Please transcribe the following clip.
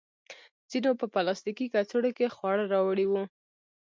ځینو په پلاستیکي کڅوړو کې خواړه راوړي وو.